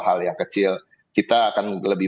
hal yang kecil kita akan lebih